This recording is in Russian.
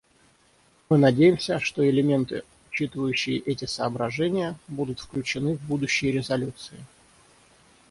Мы надеемся, что элементы, учитывающие эти соображения, будут включены в будущие резолюции.